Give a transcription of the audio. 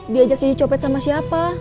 diajak jadi copet sama siapa